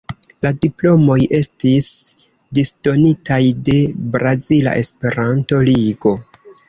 La diplomoj estis disdonitaj de Brazila Esperanto-Ligo.